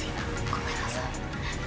ごめんなさい。